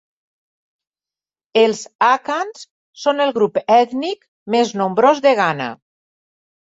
Els àkans són el grup ètnic més nombrós de Ghana.